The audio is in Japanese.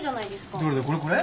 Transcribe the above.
どれだこれこれ？